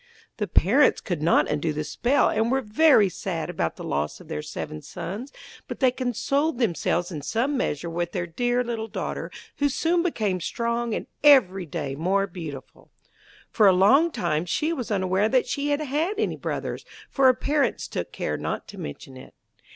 The parents could not undo the spell, and were very sad about the loss of their seven sons, but they consoled themselves in some measure with their dear little daughter, who soon became strong, and every day more beautiful. For a long time she was unaware that she had had any brothers, for her parents took care not to mention it.